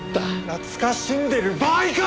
懐かしんでる場合か！